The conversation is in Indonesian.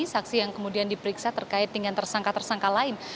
saksi yang kemudian diperiksa terkait dengan tersangka tersangka lain